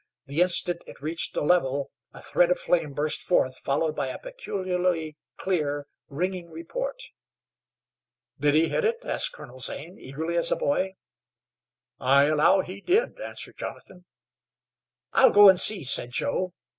The instant it reached a level a thread of flame burst forth, followed by a peculiarly clear, ringing report. "Did he hit?" asked Colonel Zane, eagerly as a boy. "I allow he did," answered Jonathan. "I'll go and see," said Joe.